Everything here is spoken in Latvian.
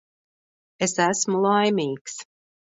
Es esmu laimīgs.